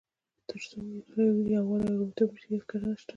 تر څو ملي یووالی لومړیتوب نه شي، هیڅ ګټه نشته.